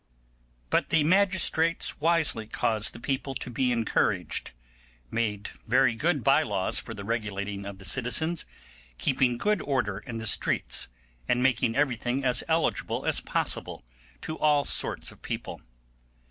But the magistrates wisely caused the people to be encouraged, made very good bye laws for the regulating the citizens, keeping good order in the streets, and making everything as eligible as possible to all sorts of people.